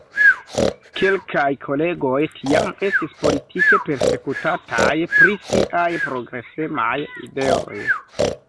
Kelkaj kolegoj tiam estis politike persekutataj pri siaj progresemaj ideoj.